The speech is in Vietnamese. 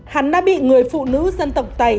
hắn đã bị người phụ nữ dân tộc tày